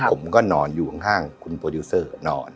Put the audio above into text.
ผมก็นอนอยู่ข้างคุณโปรดิวเซอร์นอน